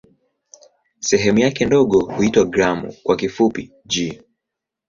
Sehemu yake ndogo huitwa "gramu" kwa kifupi "g".